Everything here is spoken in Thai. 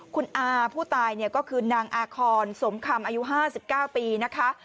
คุณอาผู้ตายเนี่ยก็คือนางอาคอนสมคำอายุห้าสิบเก้าปีนะคะ